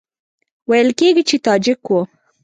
ویل کېږي چې تاجک وو.